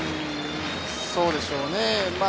そうでしょうね。